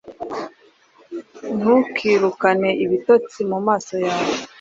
Ntukirukane ibitotsi mumaso yawe!